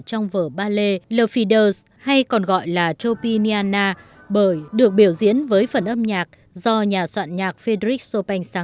trong vở ballet le fideuse hay còn gọi là tropignana bởi được biểu diễn với phần âm nhạc do nhà soạn nhạc frederic chopin sáng tác công diễn lần đầu tiên vào năm một nghìn chín trăm linh bảy